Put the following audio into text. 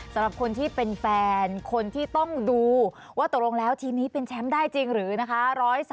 สำหรับคนที่เป็นแฟนคนที่ต้องดูว่าตกลงแล้วทีมนี้เป็นแชมป์ได้จริงหรือนะคะ